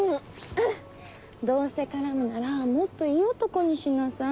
どうせ絡むならもっといい男にしなさい。